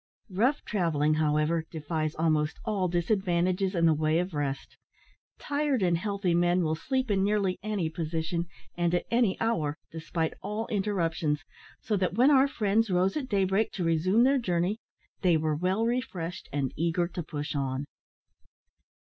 Rough travelling, however, defies almost all disadvantages in the way of rest. Tired and healthy men will sleep in nearly any position, and at any hour, despite all interruptions, so that when our friends rose at daybreak to resume their journey, they were well refreshed and eager to push on.